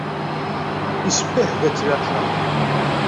Isbehba-tt leεceq.